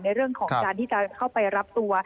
ในเรื่องของการที่จะเข้าไปรับตัว